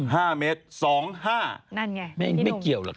ห้าเมตรสองห้า